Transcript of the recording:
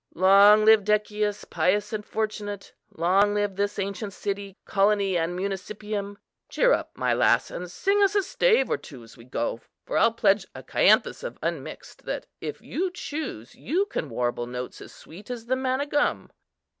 Long live Decius, pious and fortunate! Long live this ancient city, colony and municipium! Cheer up, my lass, and sing us a stave or two, as we go; for I'll pledge a cyathus of unmixed, that, if you choose, you can warble notes as sweet as the manna gum."